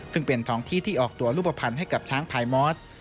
ซึ่งเป็นท้องที่ที่ออกตัวรูปภัณฑ์ให้กับช้างพายมอส